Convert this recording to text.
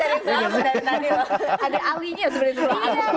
ada ali nya yang sempet itu